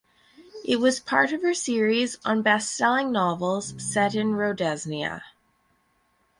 It was part of her series of bestselling novels set in Rhodesia.